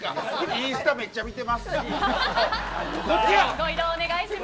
インスタめっちゃ見てます。